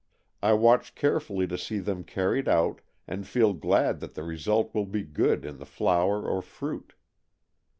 I watch carefully to see them carried out, and feel glad that the result will be good in the flower or fruit.